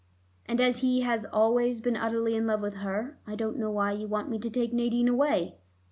"And as he has always been utterly in love with her, I don't know why you want me to take Nadine away.